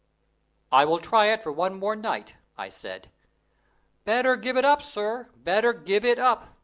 "I will try it for one night more," I said. "Better give it up, sir better give it up!